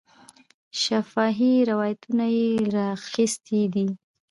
شفاهي روایتونه یې را اخیستي دي.